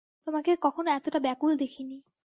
তোমাকে কখনো এতটা ব্যকুল দেখি নি।